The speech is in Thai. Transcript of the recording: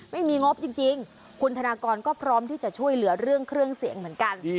งบจริงคุณธนากรก็พร้อมที่จะช่วยเหลือเรื่องเครื่องเสียงเหมือนกัน